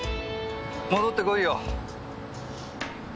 戻ってこいよ。